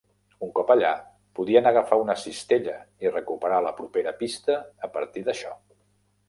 Un cop allà, podien agafar una cistella i recuperar la propera pista a partir d'això.